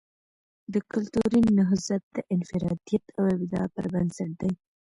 د کلتوری نهضت د انفرادیت او ابداع پر بنسټ دی.